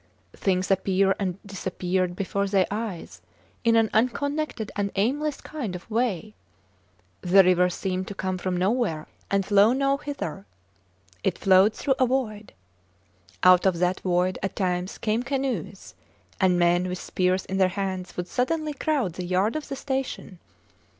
Things appeared and disappeared before their eyes in an unconnected and aimless kind of way. The river seemed to come from nowhere and flow nowhither. It flowed through a void. Out of that void, at times, came canoes, and men with spears in their hands would suddenly crowd the yard of the station.